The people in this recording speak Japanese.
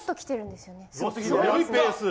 すごいペース。